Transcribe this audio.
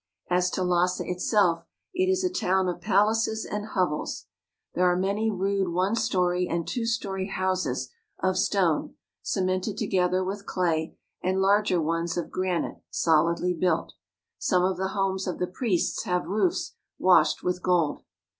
As to Lassa itself, it is a town of palaces and hovels. There are many rude one story and two story houses of stone, cemented together with clay, and larger ones of granite, solidly built. Some of the homes of the priests have roofs washed with gold.